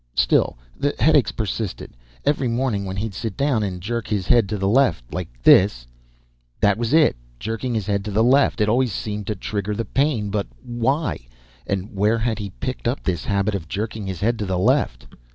Still, the headaches persisted. Every morning, when he'd sit down and jerk his head to the left like this That was it. Jerking his head to the left. It always seemed to trigger the pain. But why? And where had he picked up this habit of jerking his head to the left?